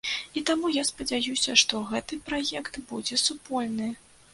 І таму, я спадзяюся, што гэты праект будзе супольны.